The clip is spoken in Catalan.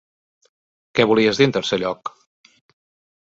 Què volies dir en tercer lloc?